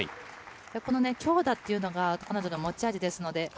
この強打っていうのが彼女の持ち味ですので。